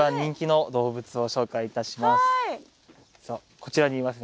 こちらにいますね。